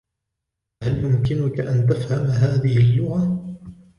هل يمكنك أن تفهم هذه اللغة؟